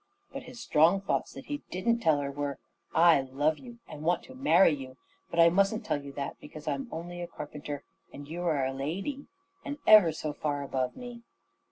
But his strong thoughts, that he didn't tell her, were "I love you and want to marry you; but I mustn't tell you that, because I'm only a carpenter, and you're a lady, and ever so far above me."